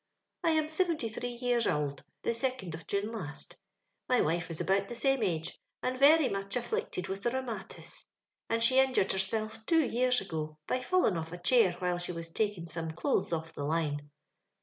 " I am seventy three years ould the 2d of June last My wife is about the same age, and very much afflicted with the rheumatis, and she injured hersilf, too, years ago, by fallin' off a chair while she was takin' some clothes off the hne.